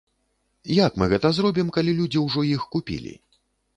Як мы гэта зробім, калі людзі ўжо іх купілі?